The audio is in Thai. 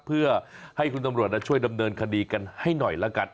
เพื่อให้คุณตำรวจช่วยดำเนินคดีกันให้หน่อยละกัน